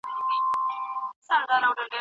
هر پوهنتون کولای سي خپل اصول ولري.